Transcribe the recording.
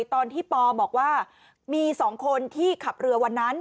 ตอนที่ปอบอกว่ามี๒คนที่ขับเรือวันนั้น